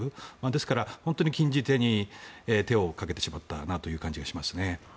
ですから、本当に禁じ手に手をかけてしまったなという感じがしますね。